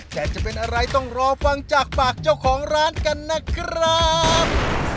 แต่จะเป็นอะไรต้องรอฟังจากปากเจ้าของร้านกันนะครับ